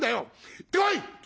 行ってこい！